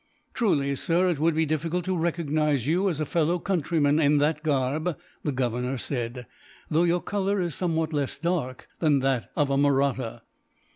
"Truly, sir, it would be difficult to recognize you as a fellow countryman, in that garb," the Governor said; "though your colour is somewhat less dark than that of a Mahratta."